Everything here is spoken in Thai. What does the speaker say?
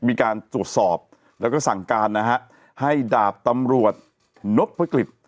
มีการตรวจสอบแล้วก็สั่งการนะฮะให้ดาบตำรวจนพกฤษ